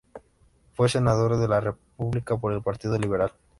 Fue Senador de la República por el Partido Liberal.